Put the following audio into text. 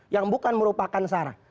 yang bukan merupakan sarah